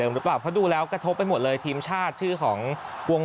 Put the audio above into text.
หรือเปล่าเพราะดูแล้วกระทบไปหมดเลยทีมชาติชื่อของวง